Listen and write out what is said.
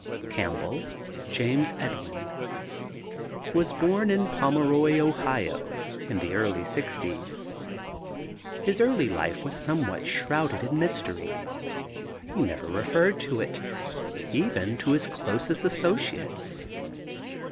CAMPBELL, JAMES EDWIN. Was born at Pomeroy, Ohio, in the early sixties. His early life was somewhat shrouded in mystery; he never referred to it even to his closest associates.